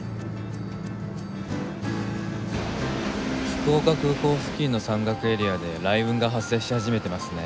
福岡空港付近の山岳エリアで雷雲が発生し始めてますね。